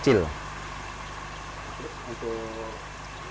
kalau soka ada bibit bibit yang sti